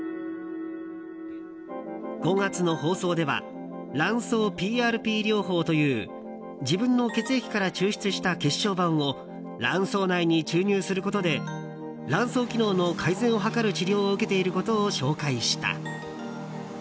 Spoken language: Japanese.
５月の放送では卵巣ＰＲＰ療法という自分の血液から抽出した血小板を卵巣内に注入することで卵巣機能の改善を図る治療を受けていることを紹介した。